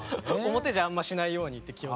表じゃあんましないようにって気をつけてて。